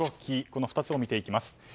この２つを見ていきます。